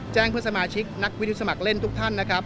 เพื่อนสมาชิกนักวิทยุสมัครเล่นทุกท่านนะครับ